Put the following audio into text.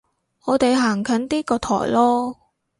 我哋行近啲個台囉